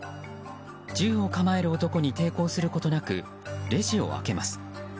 銃を構える男に抵抗することなくレジを開けます。